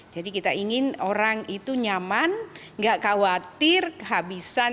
jadi kita ingin orang itu nyaman enggak khawatir kehabisan